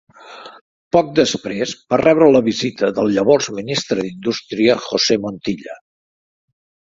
Poc després va rebre la visita del llavors ministre d'Indústria, José Montilla.